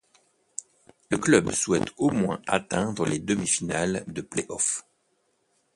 Le club souhaite au moins atteindre les demi-finales de play-offs.